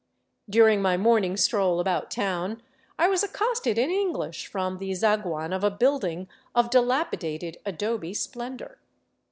During my morning stroll about town I was accosted in English from the zaguan of a building of delapidated adobe splendor.